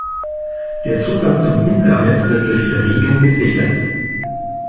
Der Zugang zum Intranet wird durch Verriegeln gesichert.